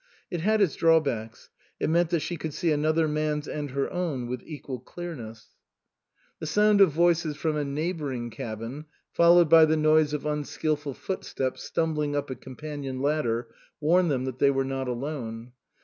It had its drawbacks ; it meant that she could see another man's and her own with equal clearness. 158 OUTWARD BOUND The sound of voices from a neighbouring cabin, followed by the noise of unskilful foot steps stumbling up a companion ladder, warned them that they were not alone.